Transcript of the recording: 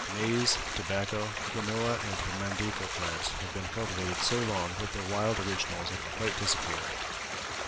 Maize, tobacco, quinoa, and the mandico plants have been cultivated so long that their wild originals have quite disappeared.